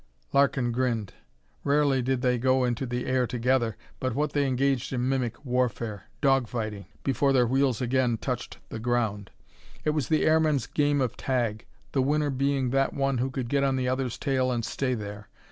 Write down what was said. Larkin grinned. Rarely did they go into the air together but what they engaged in mimic warfare dog fighting before their wheels again touched the ground. It was the airman's game of tag, the winner being that one who could get on the other's tail and stay there.